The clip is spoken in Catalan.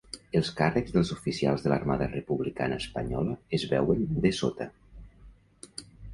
Els càrrecs dels oficials de l'Armada Republicana espanyola es veuen dessota.